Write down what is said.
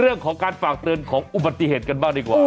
เรื่องของการฝากเตือนของอุบัติเหตุกันบ้างดีกว่า